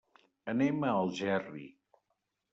Anem a Algerri.